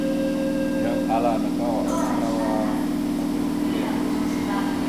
Yan ala : nakawa akahərawa ava gukəle.